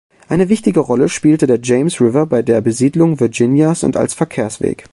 Eine wichtige Rolle spielte der James River bei der Besiedlung Virginias und als Verkehrsweg.